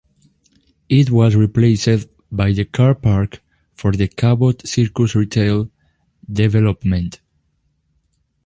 It was replaced by the car-park for the Cabot Circus retail development.